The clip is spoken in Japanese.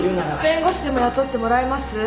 弁護士でも雇ってもらいます？